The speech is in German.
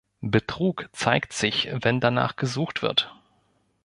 Betrug zeigt sich, wenn danach gesucht wird.